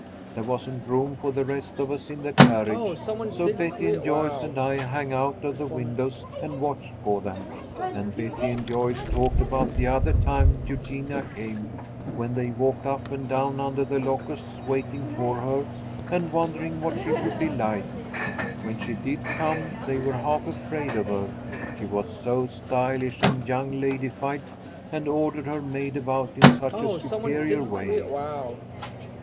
There wasn't room for the rest of us in the carriage, so Betty and Joyce and I hung out of the windows and watched for them, and Betty and Joyce talked about the other time Eugenia came, when they walked up and down under the locusts waiting for her and wondering what she would be like. When she did come, they were half afraid of her, she was so stylish and young ladified, and ordered her maid about in such a superior way.